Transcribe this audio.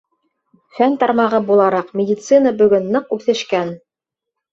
Фән тармағы булараҡ, медицина бөгөн ныҡ үҫешкән.